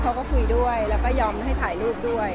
เค้าก็คุยด้วยมายอมถ่ายรูปด้วย